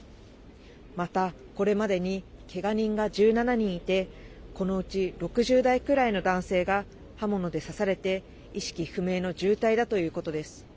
またこれまでにけが人が１７人いてこのうち６０代くらいの男性が刃物で刺されて意識不明の重体だということです。